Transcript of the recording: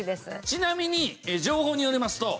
ちなみに情報によりますと。